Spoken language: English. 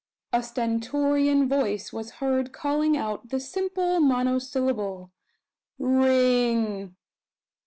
A stentorian voice was heard calling out the simple monosyllable "Ring!"